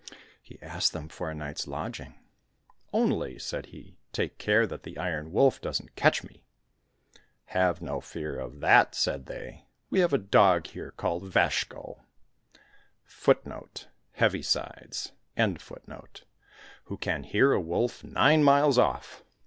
He asked them for a night's lodging. " Only," said he, '' take care that the Iron Wolf doesn't catch me !"—" Have no fear of that," said they. " We have a dog here called Vazhko,^ who can hear a wolf nine miles off."